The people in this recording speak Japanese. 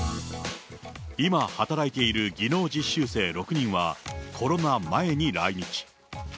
今働いている技能実習生６人はコロナ前に来日。